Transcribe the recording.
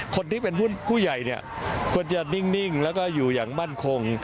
คนที่เป็นผู้ใหญ่ควรจะนิ่งอยู่อย่างมั่นคง